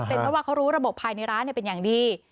เพราะว่าเขารู้ระบบภายในร้านเป็นอย่างดี